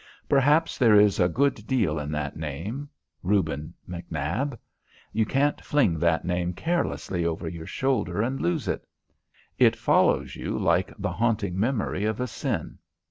Perhaps there is a good deal in that name. Reuben McNab. You can't fling that name carelessly over your shoulder and lose it. It follows you like the haunting memory of a sin.